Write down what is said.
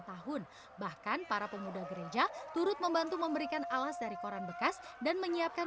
tahun bahkan para pemuda gereja turut membantu memberikan alas dari koran bekas dan menyiapkan